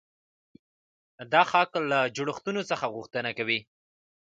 دا حق له جوړښتونو څخه غوښتنه کوي.